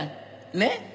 ねっ！